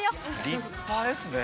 立派ですね。